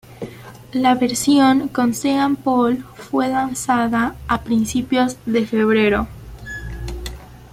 La versión con Sean Paul fue lanzada a principios de febrero.